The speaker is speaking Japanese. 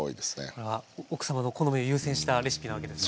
これは奥様の好みを優先したレシピなわけですね？